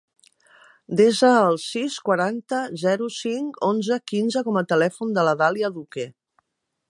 Desa el sis, quaranta, zero, cinc, onze, quinze com a telèfon de la Dàlia Duque.